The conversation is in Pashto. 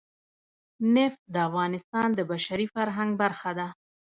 نفت د افغانستان د بشري فرهنګ برخه ده.